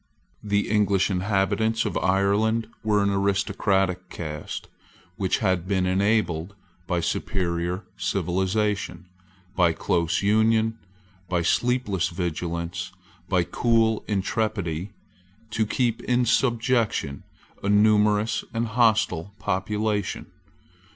The English inhabitants of Ireland were an aristocratic caste, which had been enabled, by superior civilisation, by close union, by sleepless vigilance, by cool intrepidity, to keep in subjection a numerous and hostile population.